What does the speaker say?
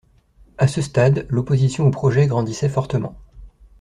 À ce stade, l’opposition au projet grandissait fortement.